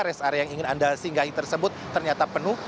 rest area yang ingin anda singgahi tersebut ternyata penuh